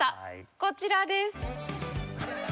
こちらです。